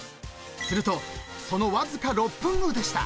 ［するとそのわずか６分後でした］